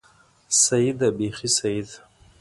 سيي ده، بېخي سيي ده!